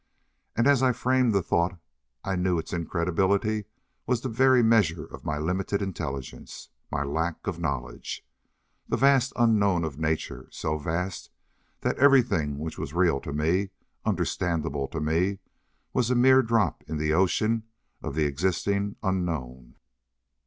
And as I framed the thought I knew its incredibility was the very measure of my limited intelligence, my lack of knowledge. The vast unknown of nature, so vast that everything which was real to me, understandable to me, was a mere drop in the ocean of the existing unknown.